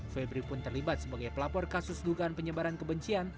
febri pun terlibat sebagai pelapor kasus dugaan penyebaran kebencian